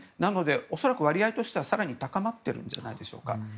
恐らく割合としては更に高まっているんじゃないでしょうか。